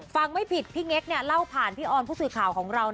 ไม่ผิดพี่เง็กเล่าผ่านพี่ออนผู้สื่อข่าวของเรา